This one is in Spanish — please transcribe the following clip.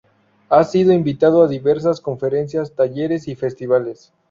Ha sido invitado a diversas conferencias, talleres y festivales.